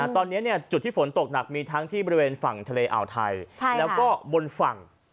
ตอนนี้จุดที่ฝนตกหนักมีทั้งที่บริเวณฝั่งทะเลอ่าวไทยแล้วก็บนฝั่ง